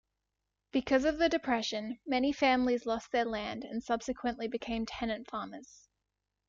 Because of the Depression, many families lost their land and subsequently became tenant farmers.